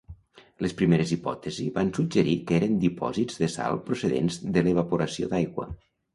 Les primeres hipòtesis van suggerir que eren dipòsits de sal procedents de l'evaporació d'aigua.